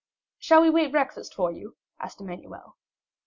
"Shall we wait breakfast for you?" asked Emmanuel.